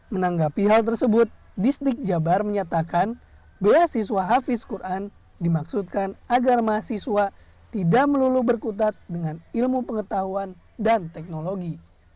menanggapi hal tersebut disdik jabar menyatakan beasiswa hafiz quran dimaksudkan agar mahasiswa tidak melulu berkutat dengan ilmu pengetahuan dan teknologi